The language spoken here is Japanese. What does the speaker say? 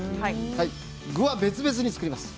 具は別々に作ります。